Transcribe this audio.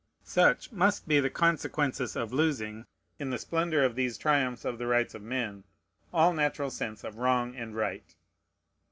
Such must be the consequences of losing, in the splendor of these triumphs of the rights of men, all natural sense of wrong and right.